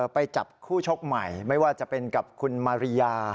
ไปจับคู่ชกใหม่ไม่ว่าจะเป็นกับคุณมาริยา